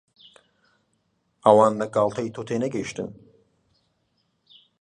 ئەوان لە گاڵتەی تۆ تێنەگەیشتن.